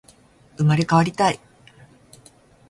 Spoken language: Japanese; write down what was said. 生まれ変わりたい